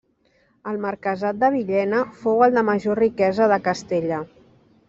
El marquesat de Villena, fou el de major riquesa de Castella.